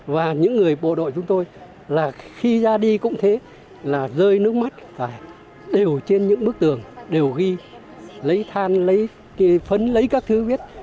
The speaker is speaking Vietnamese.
và những người bộ đội chúng tôi là khi ra đi cũng thế là rơi nước mắt và đều trên những bức tường đều ghi lấy than lấy phấn lấy các thứ viết